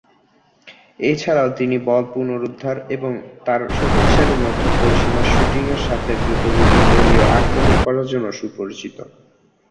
এছাড়াও তিনি বল পুনরুদ্ধার এবং তার শক্তিশালী মধ্য-পরিসীমা শুটিংয়ের সাথে দ্রুতগতিতে দলীয় আক্রমণ করার জন্য সুপরিচিত।